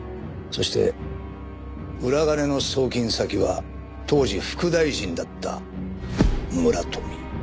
そして裏金の送金先は当時副大臣だった村富。